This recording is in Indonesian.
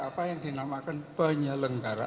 apa yang dinamakan banyalenggara